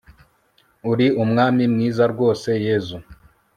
uri umwami mwiza rwose, yezu